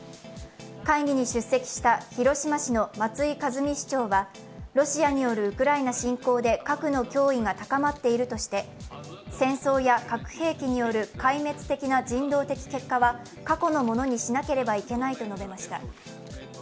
会議に出席した広島市の松井一実市長はロシアによるウクライナ侵攻で核の脅威が高まっているとして戦争や核兵器による壊滅的な人道的結果は過去のものにしなければいけないと述べました。